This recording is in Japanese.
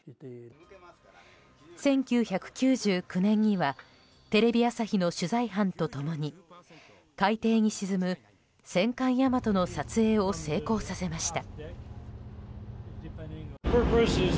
１９９９年にはテレビ朝日の取材班と共に海底に沈む戦艦「大和」の撮影を成功させました。